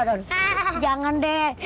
aduh jangan deh